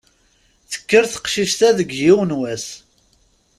Tekker teqcict-a deg yiwen n wass!